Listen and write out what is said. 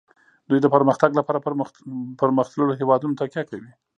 دوی د پرمختګ لپاره په پرمختللو هیوادونو تکیه کوي